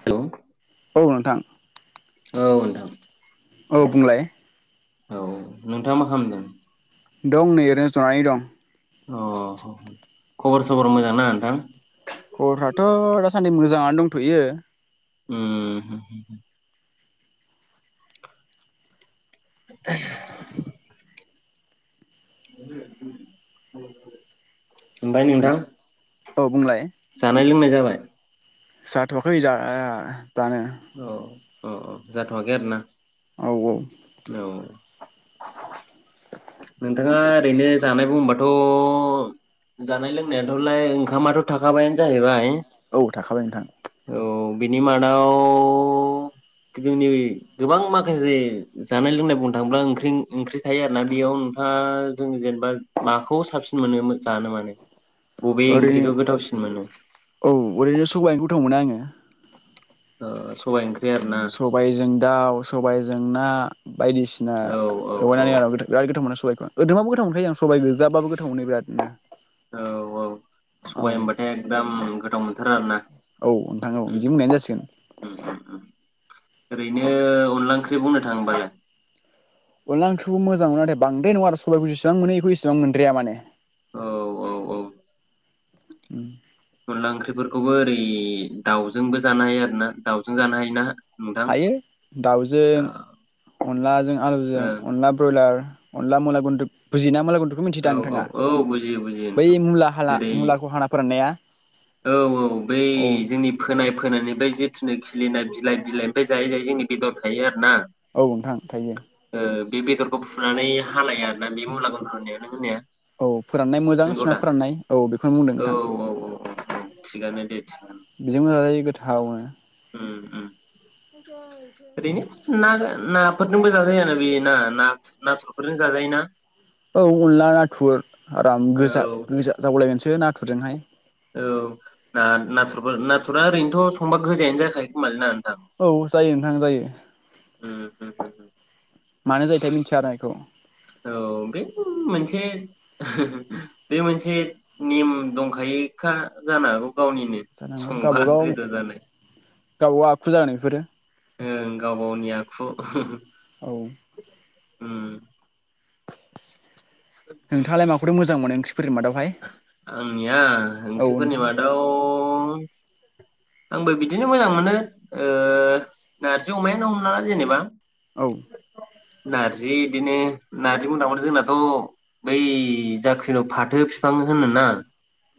Hello औ नोंथां औ नोंथां। औ बुंलाय। औ नोंथाङा मा खामदों? दं नै एरैनो जनानै दं। अ खबर सबर मोजां ना नोंथां? खबरफ्राथ दासान्दि मोजाङानो दंथयो। [unintelligible] [unintelligible] ओमफ्राय नोंथां? औ बुंलाय। जानाय लोंनाय जाबाय। जाथआखै जाआआ। औ अ अ जाथआखै आरो ना? औ औ नोंथाङा ओरैनो जानाय बुङोबाथ जानाय लोंनायाथलाय ओंखामाथ थाखाबायानो जाहैबाय। औ थाखाबाय नोंथां। औ बिनि मादाव अ जोंनि गोबां माखासे जानाय लोंनाय बुंनो थाङोब्ला ओंख्रिं ओंख्रि थायो आरो ना बेयाव नोंथाङा जों जेनेबा माखौ साबसिन मोनो जानो माने बबे ओरैनो ओंख्रिखौ गोथावसिन मोनो औ ओरैनो सबाय ओंख्रिखौ गोथाव मोना आङो [unintelligible] ओ सबाय ओं सबायजों दाउ सबायजों ना बायदिसिना औ औ औ लगायनानै आरो बिराद गोथाव मोनो सबायखौ ओदोंबाबो गोथाव मोनखायो आं सबायखो जाबाबो गोथाव मोनो बिराद नो औ औ सबाय होनबाथाय एकदम गोथाव मोनथारो आरो ना औ नोंथां औ उम बिदि बुंनायानो जासिगोन उम उम उम ओरैनो अनला ओंख्रि बुंनो थाङोबालाय अनला ओंख्रिखौ मोजां मोनो नाथाय बांद्राय नङा आरो सबाइखौ जसेबां मोनो बेखौ एसेबां मोनद्राया माने औ औ औ अनला ओंख्रिफोर बेखौबो ओरै दाउजोंबो जानो हायो आरो ना दाउजों जानो हायो ना हायो दाउजों अनलाजों आलुजों अनला ब्रयलार अनला मुला गुनद्रुग बुजियोना मुला गुद बेफोरखौ ओ मिथिदां औ नोंथाङा औ औ बुजियो बुजियो बै नोंथां मुला हा जेरै मुलाखौ हाना फोराननाया औ औ बै औ जोंनि फोनाय फोनानै बै जे नो खिलिनाय बिलाइ बिलाइनिमफ्राय जायै जायै जोंनि बेदर थायो आरोना औ नोंथां थायो बे बेदरखौ फुनानै हानाय आरोना बे मुला गुनद्रु होननाया नों होनाया औ फोराननाय मोजां सुनानै फोराननाय औ बेखौनो बुंदों औ नोंथां औ औ औ थिगानो दे थिगानो बिजोंबो जाजायो गोथावनो उम उम [unintelligible] ओरैनो ना-नाफोरजोंबो जाजायो आरो बे ना-नाथुरफोरजों जाजायो ना औ अनला नाथुर आराम औ गोजा गोजा जाबावलायगोनसै सो नाथुरदोंहाय औ ना-नाथुरफोर नाथुरा ओरैनोथ' संबा गोजायानो जाखायो खोमालै ना औ जायो नोंथां जायो उम होम होम होम मानो जायोथाय मिथिया आरो एखौ औ बे मोनसे [unintelligible] बे मोनसे नेम दंखायोखा जानो हागौ गावनिनो जानांगौ संबा गावबागाव गोजा जानाय गावबागाव आखु जागोन बेफोरो ओं गाव गावनि आखु औ उम नोंथाङालाय माखौथो मोजां मोनो ओं आंनिया औ ओंख्रिफोरनि नोंथां मादाव [unintelligible] आंबो बिदिनो मोजां मोनो ओ नारजि अमायानो हमनाला जेनेबा औ नार्जि बिदिनो नार्जि मदांखौ जोंनाथ' बै जादखौ फाथो फिफां होनो ना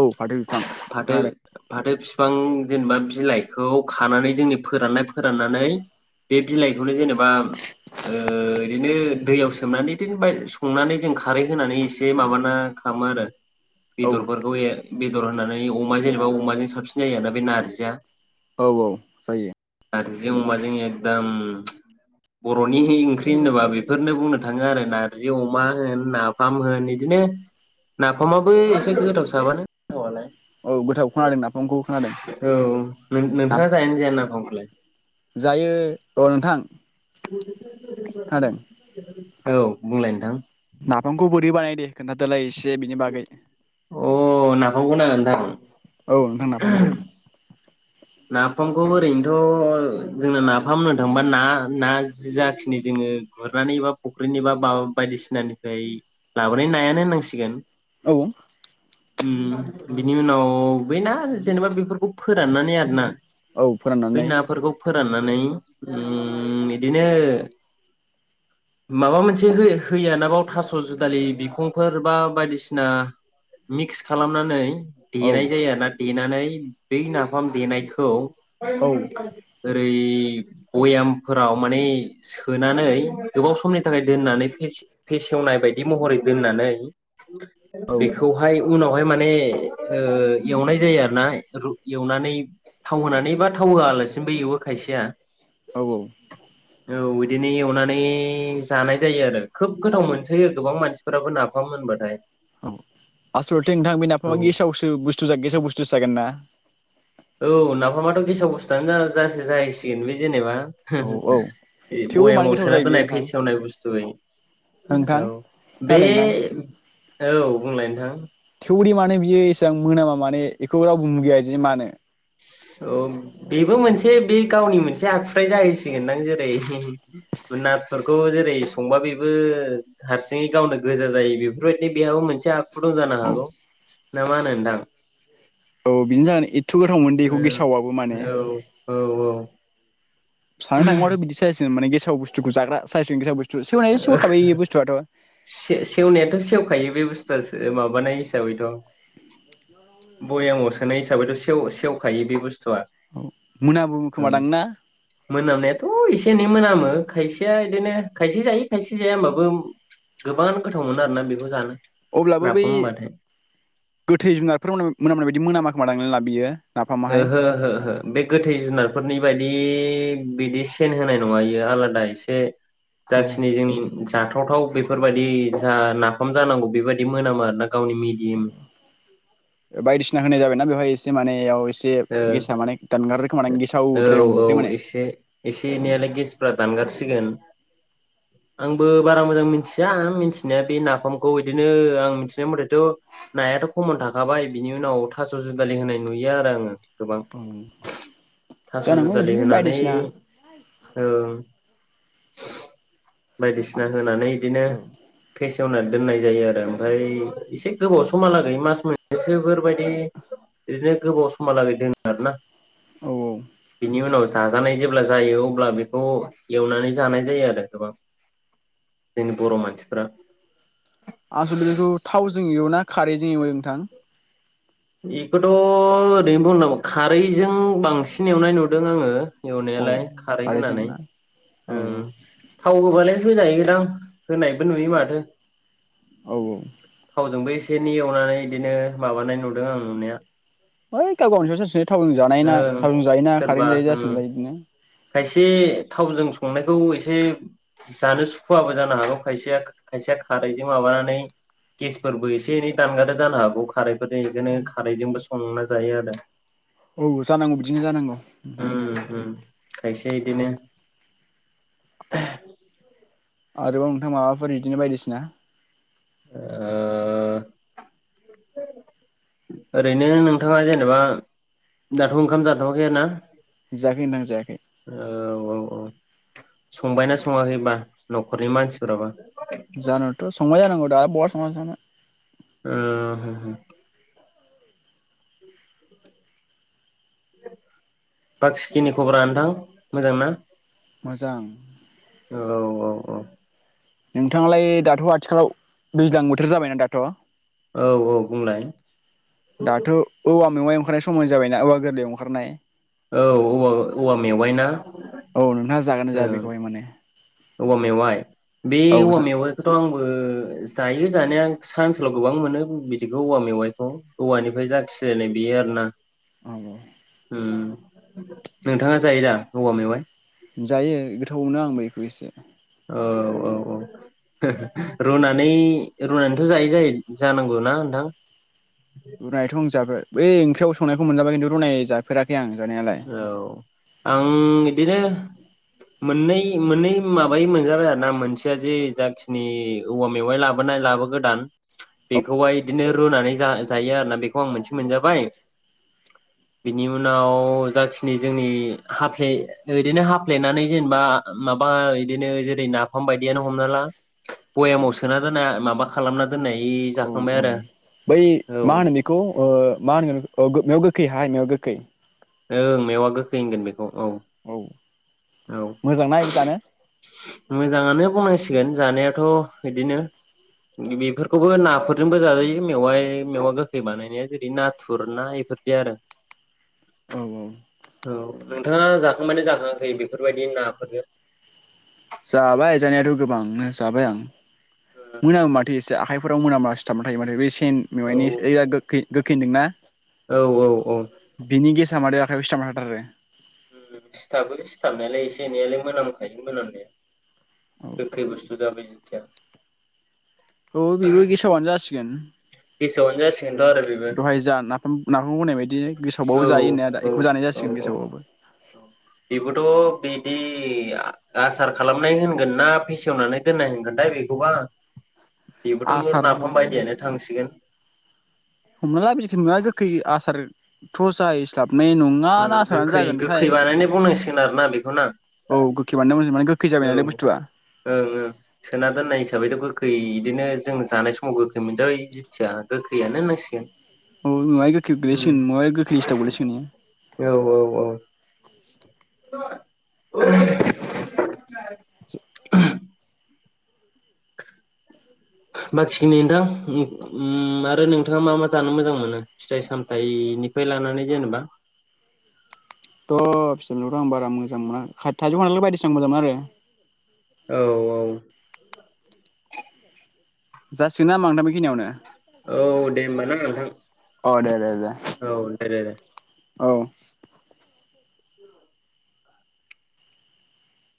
औ फाथो बिथां खोनादों। थां जेनेबा बिलाइखौ खानानै जोंनि फोराननाय फोराननानै बे बिलाइखौनो जेनेबा ओ बिदिनो दैयाव सोमनानै दिनबाय संनानै जों खारै होनानै एसे माबाना खालामो आरो औ बेदरफोरखौ एर बेदर होनानै अमा जेनेबा अमाजों साबसिन जायो आरो ना बे नार जिया औ औ जायो। नारजि अमाजों एखदम बरनि ओंख्रि होनोबा बेफोरनो बुंनो थाङो आरो नारजि अमा होन नाफाम होन बिदिनो नाफामाबो एसे गोथाव साबानोथावालाय। औ गोथाव खोनादों नाफामखौ खोनादों। औ ना नोंथाङा जायोना जाया ना? नाफामखौलाय जायो र' नोंथां खोनादों [unintelligible] औ बुंलाय नोंथां नाफामखौ बोरै बानायो दे खोनथादलाय एसे। जे बिनि बागै नंगौ नामा नोंथां। औ नोंथां नाफामखौ नाफामखौ ओरैनोथ जोंना नाफाम होननो थाङोबा ना ना जाखिनि जोङो गुरनानै बा फुख्रिनि बा मा बायदिसिनानिफ्राय लाबोनाय नायानो होननांसिगोन। औ उ बिनि उनाव बै ना जेनेबा बेफोरखौ फोराननानै आरो ना औ बै फोराननानै नाफोरखौ फोराननानै उ बिदिनो माबा मोनसे हो होयोना थास जुदालि बिखंफोर बा बायदिसिना मिक्स खालामनानै औ देनाय जायो आरोना देनानै बै नाफाम देनाय। खौ औ [unintelligible] ओरै बयामफोराव माने सोनानै गोबाव समनि थाखाय दोननानै फेसेव फेसेवनाय बायदि महरै दोननानै औ बेखौहाय उनावहाय माने ओ एवनाय जायो आरो ना एवनानै थाव होनानै बा थाव होआलासिनोबो एवो खायसेया औ औ औ बिदिनो एवनानै जानाय जायो आरो खोब गोथाव मोनसोयो गोबां मानसिफोराबो नाफाम होनबाथाय आसलथे नोंथां बे नाफामा औ गेसावसो बुस्थु गेसाव बुस्थुसो जागोनना माबाथ' गेसाव बुस्थुआनो जा-जासो जाहैसिगोन बे जेनेबा औ औ [unintelligible] थेवबो मानो बयामाव गोथाव सोना जायो बेयो दोननाय नोंथां फेसेवनाय बुस्थुयै नोंथां औ बे खोनादों नोंथां औ बुंलाय नोंथां थिउबोदि माने बियो एसेबां मोनामा माने एखौ रावबो मुगैयादि मानो ओम बेबो मोनसे बे गावनि मोनसे आखुथाइ जाहैसिगोनदां जेरै [unintelligible] नाथुरखौ जेरै संबा बेबो हारसिङै गावनो गोजा जायो बेफोरबायदिनो बेहाबो मोनसे आखु खु दं जानो औ हागौ ना मा होनो नोंथां औ बिदिनो जागोन इद थ' गोथाव मोनो दे एखौ गेसावबाबो माने औ औ औ साननो थांङोबाथ' बिदिसो जासिगोन माने गेसाव साव बुस्थुखौ जाग्रा साइस गेसाव बुस [unintelligible] से-सेवनायाथ' सेवखायो बे बुस्थुआसो माबानाय हिसाबैथ' बयामाव सोनाय हिसाबैथ' सेव-सेवखायो बे बुस्थुआ मोनामब्रुमो खोमा दां ना थ' एसे एनै मोनामो खायसेया इदिनो खायसे जायो खायसे जाया होमबाबो गोबाङानो गोथाव मोनो आरोना बेखौ जानो अब्लाबो बै नाफाम होनबाथाय गोथै जुनारफोर मोनाम-मोनामनाय बायदि मोनामा खोमा दां ना बियो नाफामाहाय ओहो ओहो ओहो बे गोथै जुनारफोरनि बेबायदि बिदि सेन होनाय नङा इयो आलादा एसे औ जाखिनि जोंनि जाथावथाव बेफोरबायदि जा नाफाम जानांगौ बेबायदि मोनामो आरो ना गावनि मिदिम बायदिसिना होनाय जाबायना बेवहाय एसे माने इयाव एसे ओ गेसा औ गेसावद्राय औ नंदों माने एसे एसे औ एनैयालाय गेसफ्रा दानगारस सिगोन आंबो बारा मोजां मिनथिया मिनथिनाया बे नाफामखौ इदिनो आं मिथिनाय मथेथ' नायाथ' खमन थाखाबाय बिनि उनाव थास' जुदालि होनाय नुयो आरो आङो गोबां थास' जानांगौ जुदालि बिदिनो होनानै बायदिसिना ओं बायदिसिना होनानै बिदिनो औ फेसेवनान दोननाय जायो आरो ओमफ्राय एसे गोबाव समहालागै मास मोनसेसो इफोरबायदि ओरैनो गोबाव सम माहा लागै दोनो आरो ना औ औ जाजानाय जेब्ला जायो अब्ला बेखौ एवनानै जानाय जायो आरो गोबां जोंनि बर' मानसिफोरा आसोल'थे बेखौ थावजों एवोना खारैजों एवो नोंथां बेखौथ' ओरैनो बुंनांगौ खारैजों बांसिन एवनाय नुदों आङो औ एवनायालाय खारै खारैजों होनानै ना औ ओम थाव होबालाय होजायो दां होनायबो नुयो माथो औ औ थेनि एवनानै बिदिनो माबानाय नु दों आं नुनाया ओइ गाव गावनि सायावसो जासै थावजों जानाय ना ओं थावजों जायो ना सोरबा खारैजों जायो ओं जासिगोन दा बिदिनो खायसे थावजों संनायखौ एसे जानो सुखुवाबो जानो हागौ खायसेया खायसेया खारैजों माबानानै गेसफोरबो एसे एनै दानगारो जानो हागौ खारैफोरजों दिनो खारैजोंबो संना जायो आरो औ जानांगौ बिदिनो जानांगौ नोंथां दे इदिनो [unintelligible] आरोबाव नोंथां माबाफोर इदिनो बायदिसिना ओ ओरैनो नोंथाङा जेनेबा दाथ' ओंखाम जाथ'वाखै ना जायाखै नोंथां जायाखै अ संबायना सङाखैबा नखरनि मानसिफोराबा जानोथ' संबाय जानागौ दा बहा सङाजानो ओ हो हो बाखिखिनि खबरा नोंथां मोजां ना मोजां औ औ औ नोंथाङालाय दाथ' आथिखालाव दैज्लां बोथोर जाबायना दाथ' औ औ बुंलाय दाथ' औवा मेवाइ अंखारनाय समाय जाबायना औवा गोरलैयाव अंखारनाय औ औवा औवा मेवाइ ना औ नोंथाङा जागोनना जाया ओं बेखौहाय माने औवा मेवाइ बे औ औवा जा मेवाइखौथ' आंबो जायो जानाया सा ओनसोलाव गोबां मोनो बिदिखौ औवा मेवाइखौ औवानिफ्राय जा [unintelligible] जादों बेयो आरो ना उम उम नोंथाङा जायो दा औवा मेवाइ जायो गोथावबो मोनो आंबो बेखौ एसे औ औ औ रुनानै रुनानैथ' जायो जाहै-जानांगौना नोंथां रुनायथ' आं जाबाय बै ओंख्रियाव संनाय खौ मोनजाबाय खिनथु रुनाय जाफेरा [unintelligible] औ आं इ बिदिनो मोननै मोननै माबायै मोनजाबाय आरो ना मोनसेया जे जाखिनि औवा मेवाइ लाबोनाय लाबोगोदान बेखौहाय बिदिनो रुनानै जा-जायो आरो ना बेखौ आं मोनसे मोनजाबाय बेनि उनाव जाखिनि जोंनि हाफ्ले इदिनो हाफ्लेनानै जेनेबा माबा इदिनो जेरै नाफाम बायदियानो हमना ला बयामाव सोना दोननाय माबा खालामना दोननाय औ जाखांबाय औ आरो बै औ मा होनो बेखौ ओ मा होनगोन ओ बेखौ‌ मायाव गोखै हाय मेवाइ गोखै ओं मेवा गोखै होनगोन बेखौ औ औ औ मोजांना एबो जानो मोजाङानो बुंनांसिगोन जानायाथ' बिदिनो बेफोरखौबो नाफोरजोंबो जाजायो मेवाइ मेवा गोखै बानायनाया जेरै नाथुर ना एफोरदि आरो औ औ औ नोंथाङा जाखांबायना जाखाङाखै बेफोरबायदि नाफोरजों जाबाय जानायाथ' गोबांनो जाबाय आं मोनामो माथो एसे आखाइ बेफोराव मोनामा सिथाम थायो माने बे सेन औ मेवाइनि ओइ आ गोखै गोखै होनदोंना औ औ औ गोखा माथो आखाइयाव सिथाबना थाथारो होम सिथाबो सिथाबनायालाय एसे एनैयालाय मोनामखायो मोनामनाया औ गोखै बस्थु दा बे थिया औ बेबो गेसावानो जासिगोन गेसावानो जासिगोनथ' आरो बेबो दहाय जा नाफाम नाफामखौ बुंनाय बायदि औ गेसावबाबो जायो होननाया दा बेखौ जानाय औ औ जासिगोन औ गेसावबाबो बेबोथ' बिदि आसार खालामनाय होनगोन ना फेसेवनानै दोननाय होनांगोनथाय बेखौबा बेबोथ' नर आसार नाफाम बायदियानो थांसिगोन हमना ला [unintelligible] गोखै आसार थसा इस्लाब मे नङा ना आसारानो जागोनथाय रोना बेखौ‌ बेखौना औ गोखै बानायना मोजां माने गोखै औ जाबाय नालाय ओं बुस्थुआ ओं सोना दोन नाय हिसाबैथ' गोखै इदिनो जों जानाय समाव गोखै मोनजाबाय जिथिया गोखैयानो होननांसिगोन औ मेवाइ गोखै‌याव‌ उम गोग्लैसिगोन मेवाइय गोखै लिस्टाव गोल्लैसिगोन औ इयो औ [unintelligible] [unintelligible] बाखिखिनि नोंथां ओ ओ आरो नोंथाङा मा मा जानो मोजां मोनो फिथाइ सामथायनिफ्राय लानानै जेनेबा थ' फिथायखौथ' आं बारा मोजां मोना थाइजौ खानथाल बायदिसिना मोजां मोनो आरो औ औ जासिगोन ना होमबा नोंथां बेखिनियावनो दे होमबा ना औ नोंथां अ दे देे दे औ दे दे दे औ